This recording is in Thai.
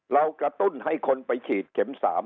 เรากระตุ้นให้คนไปฉีดเข็ม๓